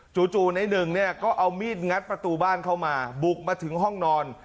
ในหนึ่งเนี่ยก็เอามีดงัดประตูบ้านเข้ามาบุกมาถึงห้องนอน